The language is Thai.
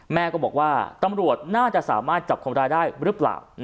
แม่ก็บอกว่าตำรวจน่าจะสามารถจับคนร้ายได้หรือเปล่า